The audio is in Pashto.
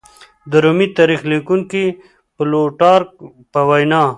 د رومي تاریخ لیکونکي پلوټارک په وینا